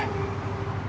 kita bakal bukti